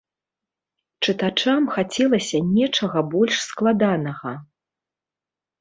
Чытачам хацелася нечага больш складанага.